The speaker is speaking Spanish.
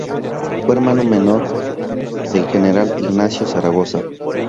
Fue hermano menor del general Ignacio Zaragoza.